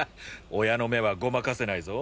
親の目はごまかせないぞ。